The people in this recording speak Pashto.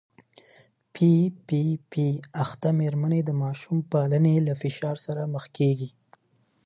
پي پي پي اخته مېرمنې د ماشوم پالنې له فشار سره مخ کېږي.